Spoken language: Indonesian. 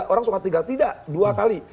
orang suka tinggal tidak dua kali